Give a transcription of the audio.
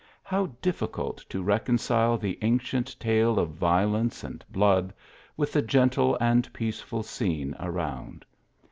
How difficult to reconcile the ancient tale of violence and blood, with the gentle and peaceful scene around.